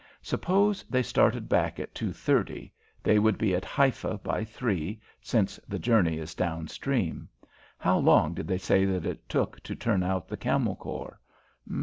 Suppose they started back at two thirty, they should be at Haifa by three, since the journey is down stream. How long did they say that it took to turn out the Camel Corps?"